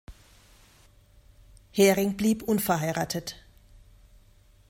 Hering blieb unverheiratet.